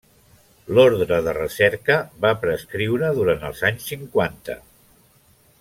L'ordre de recerca va prescriure durant els anys cinquanta.